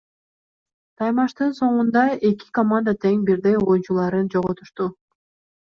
Таймаштын соңунда эки команда тең бирден оюнчуларын жоготушту.